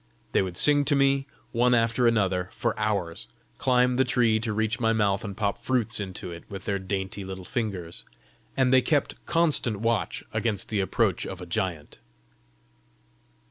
They would sing to me, one after another, for hours; climb the tree to reach my mouth and pop fruit into it with their dainty little fingers; and they kept constant watch against the approach of a giant.